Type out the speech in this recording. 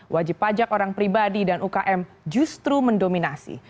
wajib pajak orang pribadi dan ukm justru mendominasi